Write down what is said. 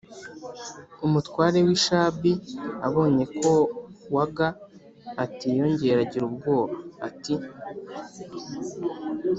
umutware w'lshabi abonye ko waga atiyongera agira ubwoba, ati: